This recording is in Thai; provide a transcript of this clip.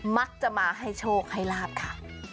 มักจะมาให้โชคให้ลาบค่ะ